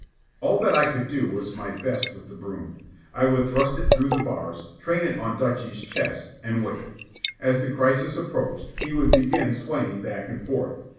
All that I could do was my best with the broom. I would thrust it through the bars, train it on Dutchy's chest, and wait. As the crisis approached he would begin swaying back and forth.